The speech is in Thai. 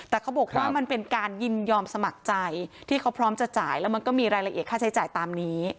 แต่เขาบอกว่ามันเป็นการยินยอมสมัครใจที่เขาพร้อมจะจ่ายแล้วมันก็มีรายละเอียดค่าใช้จ่ายตามนี้